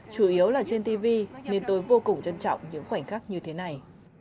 chủ yếu là trên tv nên tôi vô cùng trân trọng những khoảnh khắc như thế này